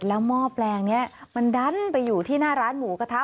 แล้วหม้อแปลงนี้มันดันไปอยู่ที่หน้าร้านหมูกระทะ